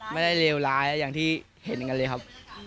เลวร้ายอย่างที่เห็นกันเลยครับ